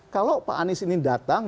kalau pak anies ini datang